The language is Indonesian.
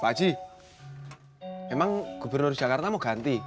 pak haji emang gubernur jakarta mau ganti